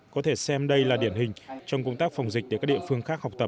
có thể xem đây là điển hình trong công tác phòng dịch để các địa phương khác học tập